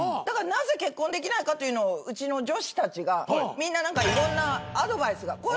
だからなぜ結婚できないかというのをうちの女子たちがみんないろんなアドバイスが。